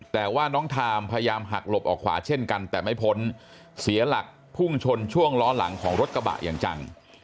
แต่ว่าน้องทามพยายามหักหลบออกขวาเช่นกันแต่ไม่พ้นเสียหลักพุ่งชนช่วงล้อหลังของรถกระบะอย่างจัง